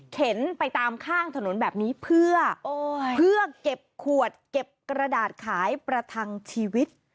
ไปตามข้างถนนแบบนี้เพื่อเก็บขวดเก็บกระดาษขายประทังชีวิต